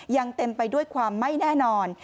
ยังเต็มไปด้วยความไม่แน่นอน